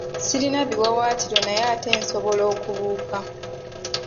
Sirina biwaawaatiro naye ate nsobola okubuuka.